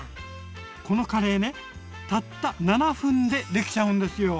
このカレーねたった７分でできちゃうんですよ！